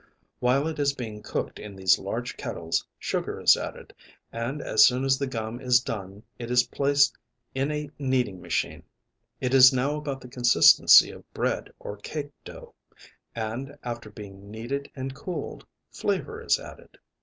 While it is being cooked in these large kettles sugar is added, and as soon as the gum is done it is placed in a kneading machine. It is now about the consistency of bread or cake dough, and after being kneaded and cooled, flavor is added.